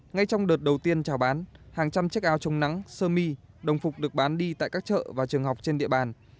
ngay trong đợt đầu tiên trào bán hàng trăm trách áo chống nắng sơ mi đồng phục được bán đi tại các chợ và trường học trên địa bàn